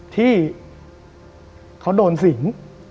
ที่เขาโดนสิง